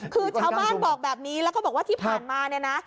คือชาวบ้านบอกแบบนี้แล้วก็บอกว่าที่ผ่านมาเนี่ยนะ